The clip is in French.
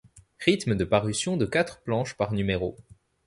Rythme de parution de quatre planches par numéro.